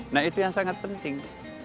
nah itu yang sangat penting